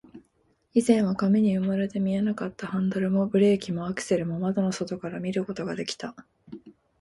以前は紙に埋もれて見えなかったハンドルも、ブレーキも、アクセルも、窓の外から見ることができた